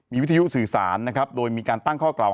มีวิทยุสื่อสารนะครับโดยมีการตั้งข้อกล่าว